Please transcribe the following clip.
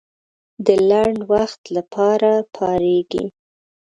د لنډ وخت لپاره پارېږي.